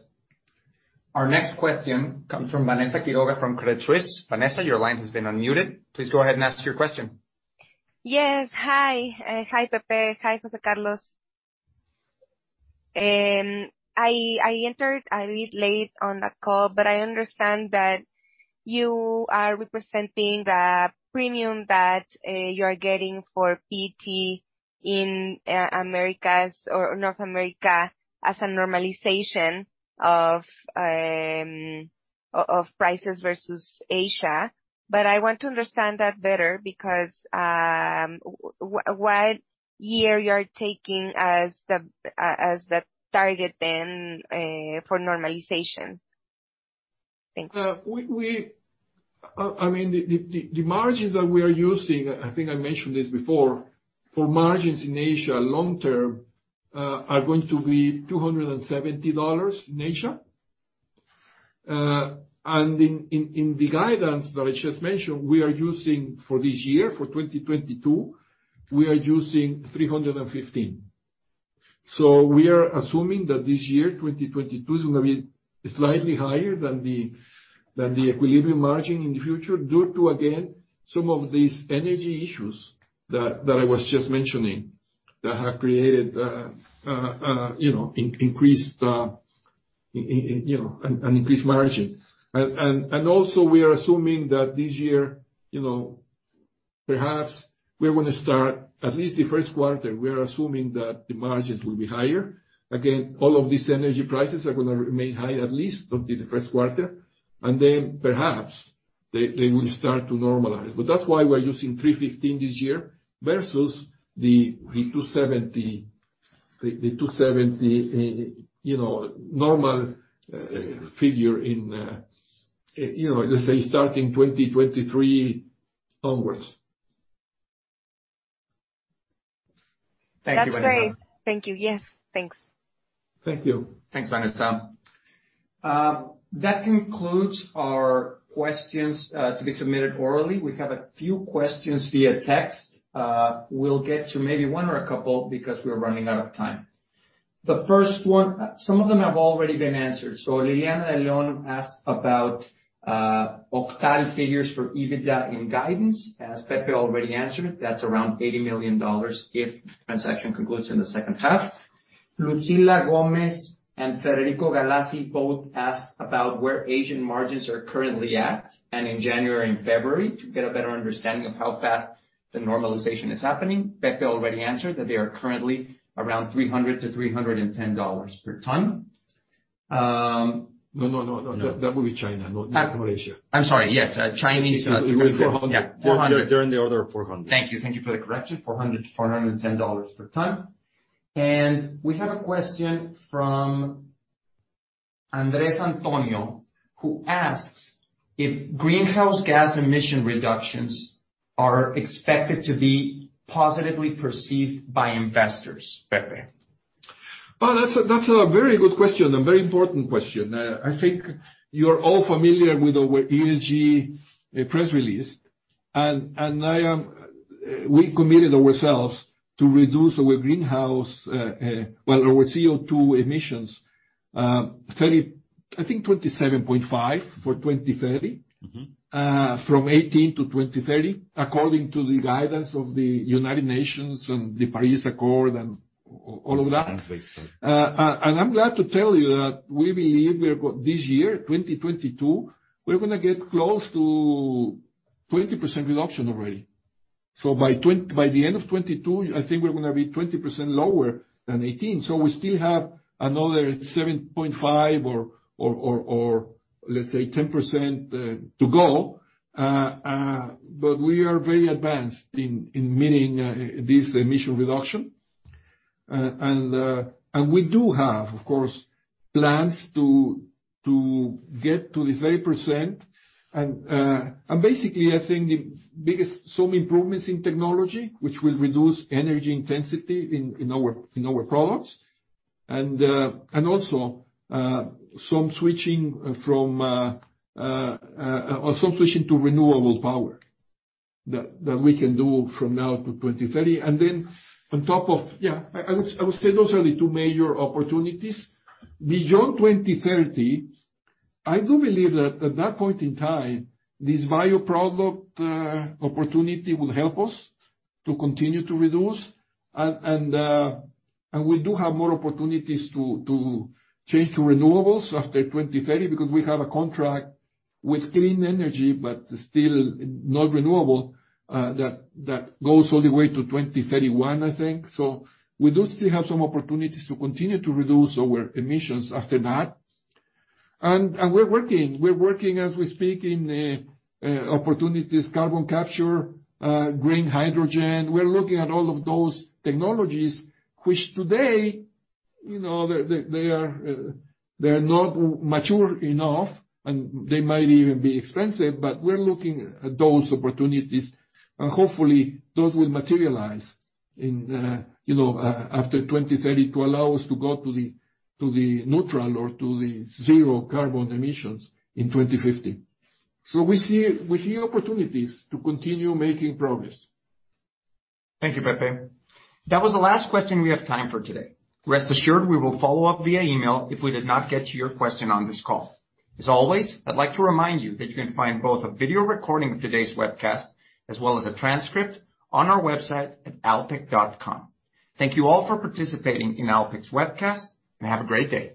Our next question comes from Vanessa Quiroga from Credit Suisse. Vanessa, your line has been unmuted. Please go ahead and ask your question. Yes. Hi. Hi, Pepe. Hi, José Carlos. I entered a bit late on the call, but I understand that you are representing the premium that you are getting for PET in Americas or North America as a normalization of prices versus Asia. I want to understand that better because what year you are taking as the target then for normalization? Thanks. I mean, the margins that we are using, I think I mentioned this before, for margins in Asia long term, are going to be $270 in Asia. In the guidance that I just mentioned, we are using for this year, for 2022, we are using $315. We are assuming that this year, 2022, is gonna be slightly higher than the equilibrium margin in the future due to, again, some of these energy issues that I was just mentioning that have created, you know, increased, you know, an increased margin. Also we are assuming that this year, you know, perhaps we're gonna start, at least the first quarter, we are assuming that the margins will be higher. Again, all of these energy prices are gonna remain high at least until the first quarter, and then perhaps they will start to normalize. But that's why we're using $315 this year versus the $270 normal figure, you know, let's say starting 2023 onwards. Thank you, Vanessa. That's great. Thank you. Yes, thanks. Thank you. Thanks, Vanessa. That concludes our questions to be submitted orally. We have a few questions via text. We'll get to maybe one or a couple because we're running out of time. The first one. Some of them have already been answered. Liliana De Leon asked about Octal figures for EBITDA in guidance. As Pepe already answered, that's around $80 million if transaction concludes in the second half. Lucila Gómez and Federico Galassi both asked about where Asian margins are currently at and in January and February to get a better understanding of how fast the normalization is happening. Pepe already answered that they are currently around $300-$310 per ton. No, no, no. No. That would be China, not Malaysia. I'm sorry. Yes, Chinese. It'll be 400. Yeah, 400. They're in the order of 400. Thank you. Thank you for the correction. $400-$410 per ton. We have a question from Andrés Antonio, who asks if greenhouse gas emission reductions are expected to be positively perceived by investors. Pepe. Well, that's a very good question, a very important question. I think you're all familiar with our ESG press release. We committed ourselves to reduce our CO2 emissions 27.5% for 2030. Mm-hmm. From 2018 to 2030, according to the guidance of the United Nations and the Paris Agreement and all of that. I'm glad to tell you that we believe this year, 2022, we're gonna get close to 20% reduction already. By the end of 2022, I think we're gonna be 20% lower than 2018. We still have another 7.5% or, let's say 10%, to go. We are very advanced in meeting this emission reduction. We do have, of course, plans to get to this 30%. Basically, I think the biggest some improvements in technology, which will reduce energy intensity in our products. Some switching to renewable power that we can do from now to 2030. Then on top of. Yeah, I would say those are the two major opportunities. Beyond 2030, I do believe that at that point in time, this value product opportunity will help us to continue to reduce. We do have more opportunities to change to renewables after 2030 because we have a contract with clean energy, but still not renewable, that goes all the way to 2031, I think. We do still have some opportunities to continue to reduce our emissions after that. We're working as we speak in opportunities, carbon capture, green hydrogen. We're looking at all of those technologies, which today, you know, they're not mature enough, and they might even be expensive. We're looking at those opportunities, and hopefully those will materialize in, you know, after 2030 to allow us to go to carbon neutral or to zero carbon emissions in 2050. We see opportunities to continue making progress. Thank you, Pepe. That was the last question we have time for today. Rest assured, we will follow up via email if we did not get to your question on this call. As always, I'd like to remind you that you can find both a video recording of today's webcast as well as a transcript on our website at alpek.com. Thank you all for participating in Alpek's webcast, and have a great day.